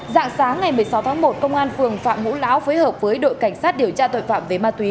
dạng sáng ngày một mươi sáu tháng một công an phường phạm ngũ lão phối hợp với đội cảnh sát điều tra tội phạm về ma túy